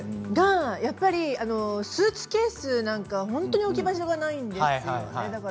だけど、スーツケースとか本当に置き場所がないんですよね。